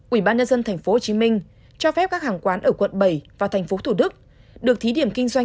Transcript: ubnd tp hcm cho phép các hàng quán ở quận bảy và tp thủ đức được thí điểm kinh doanh